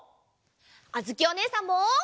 あづきおねえさんも。